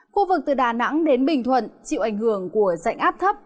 khu vực từ đà nẵng đến bình thuận chịu ảnh hưởng của dạnh áp thấp